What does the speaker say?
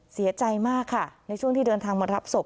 เสียใจมากค่ะในช่วงที่เดินทางมารับศพ